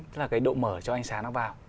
tức là cái độ mở cho ánh sáng nó vào